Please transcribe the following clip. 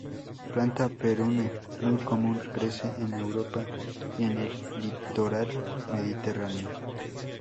Planta perenne muy común, crece en Europa y en el litoral mediterráneo.